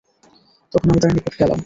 তখন আমি তার নিকট গেলাম।